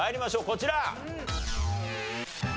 こちら。